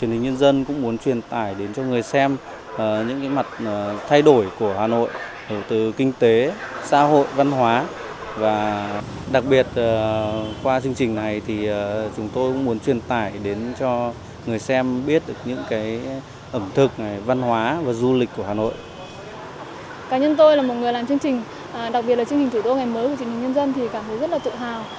cả nhân tôi là một người làm chương trình đặc biệt là chương trình thủ đô ngày mới của truyền hình nhân dân thì cảm thấy rất là tự hào